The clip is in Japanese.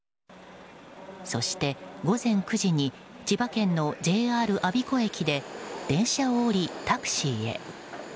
そして午前９時に千葉県のＪＲ我孫子駅で電車を降りタクシーへ。